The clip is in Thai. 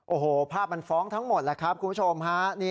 โอ้โหภาพมันฟ้องทั้งหมดแหละครับคุณผู้ชมฮะ